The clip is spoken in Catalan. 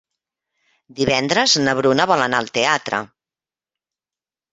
Divendres na Bruna vol anar al teatre.